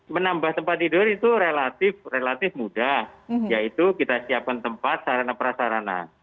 menambah tempat tidur itu relatif mudah yaitu kita siapkan tempat sarana prasarana